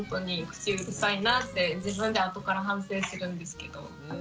口うるさいなって自分で後から反省するんですけど。